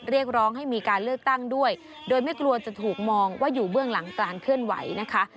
เรียกร้องให้มีการเลือกตั้งด้วยโดยไม่กลัวจะถูกมองว่าอยู่เบื้องหลังการเคลื่อนไหวนะคะ